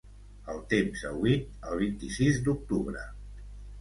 El temps a Witt el vint-i-sis d'octubre